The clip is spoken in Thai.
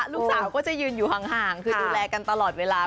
ลูกสาวก็จะยืนอยู่ห่างคือดูแลกันตลอดเวลา